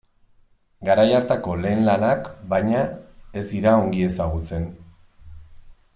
Garai hartako lehen lanak, baina, ez dira ongi ezagutzen.